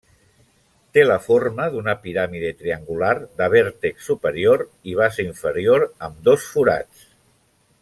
Té la forma d'una piràmide triangular de vèrtex superior i base inferior, amb dos forats.